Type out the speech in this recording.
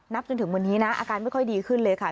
จนถึงวันนี้นะอาการไม่ค่อยดีขึ้นเลยค่ะ